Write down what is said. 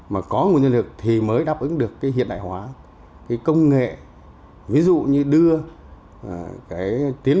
mà có nguồn nhân lực thì mới đáp ứng được cái hiện đại hóa cái công nghệ ví dụ như đưa cái tiến